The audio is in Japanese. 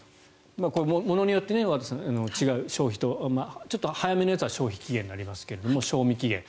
これ、ものによって違う消費とちょっと早めのやつは消費期限となりますが賞味期限と。